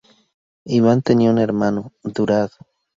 Iván tenía un hermano, Đurađ.